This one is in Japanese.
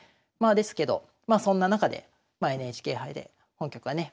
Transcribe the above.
ですけどそんな中でＮＨＫ杯で本局はね